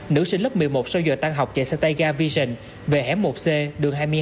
nữ sinh lớp một mươi một sau giờ tan học chạy sang tay ga vision về hẻm một c đường hai mươi hai